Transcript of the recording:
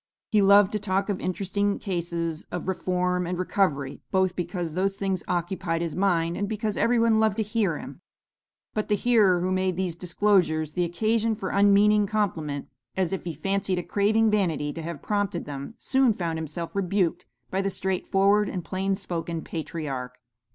He loved to talk of interesting cases of reform and recovery, both because those things occupied his mind, and because every one loved to hear him; but the hearer who made these disclosures the occasion for unmeaning compliment, as if he fancied a craving vanity to have prompted them, soon found himself rebuked by the straightforward and plain spoken patriarch.